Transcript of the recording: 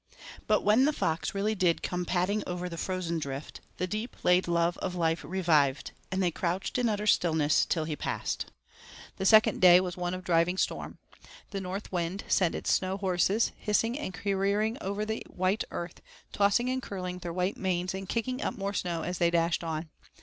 But when the fox really did come padding over the frozen drift, the deep laid love of life revived, and they crouched in utter stillness till he passed. The second day was one of driving storm. The north wind sent his snow horses, hissing and careering over the white earth, tossing and curling their white manes and kicking up more snow as they dashed on.